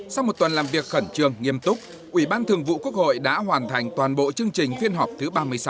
sau một tuần làm việc khẩn trương nghiêm túc ủy ban thường vụ quốc hội đã hoàn thành toàn bộ chương trình phiên họp thứ ba mươi sáu